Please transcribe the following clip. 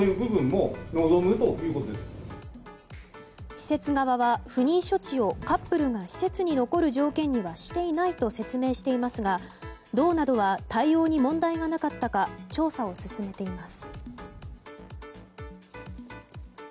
施設側は不妊処置をカップルが施設に残る条件にはしていないと説明していますが道などは対応に問題がなかったか調査を進めています。